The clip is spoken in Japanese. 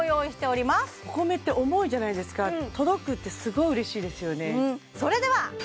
お米って重いじゃないですか届くってすごい嬉しいですよね